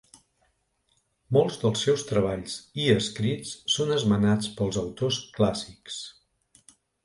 Molts dels seus treballs i escrits són esmentats pels autors clàssics.